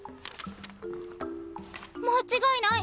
間違いない！